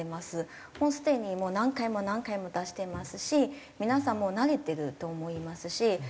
すでにもう何回も何回も出していますし皆さんもう慣れてると思いますし。